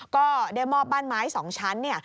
ก็ได้มอบบ้านไม้๒ชั้นเนี่ย